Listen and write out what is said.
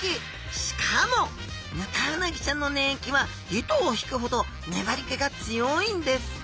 しかもヌタウナギちゃんの粘液は糸を引くほどねばりけが強いんです！